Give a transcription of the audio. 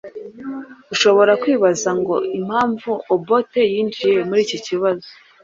Ushobora kwibaza ngo impamvu Obote yinjiye muri iki kibazo